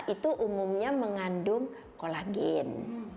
itu umumnya mengandung kolagen